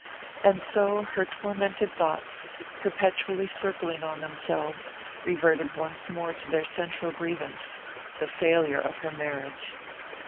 And so her tormented thoughts, perpetually circling on themselves, reverted once more to their central grievance the failure of her marriage.